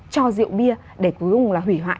cho rượu bia để cuối cùng là hủy hoại